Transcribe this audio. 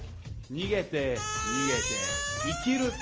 逃げて逃げて生きる！